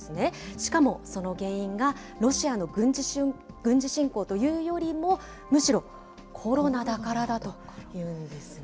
しかもその原因が、ロシアの軍事侵攻というよりも、むしろコロナだからだというんですね。